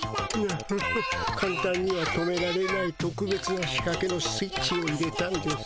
フフッかんたんには止められないとくべつな仕かけのスイッチを入れたんです。